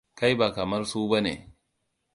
Kai ba kamar su ba ne.